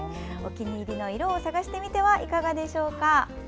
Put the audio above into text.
お気に入りの色を探してみてはいかがでしょうか。